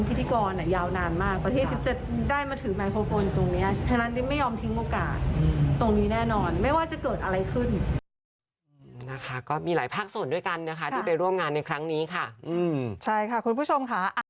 พิธีกรยาวนานมากกว่าที่จะได้มาถือไมโครโฟนตรงนี้ฉะนั้นไม่ยอมทิ้งโอกาสตรงนี้แน่นอนไม่ว่าจะเกิดอะไรขึ้น